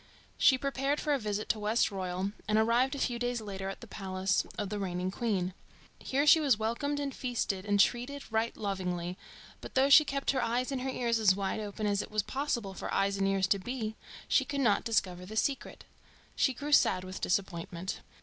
She prepared for a visit to Westroyal, and arrived a few days later at the palace of the reigning queen. Here she was welcomed and feasted and treated right lovingly, but though she kept her eyes and her ears as wide open as it was possible for eyes and ears to be, she could not discover the secret. She grew sad with disappointment.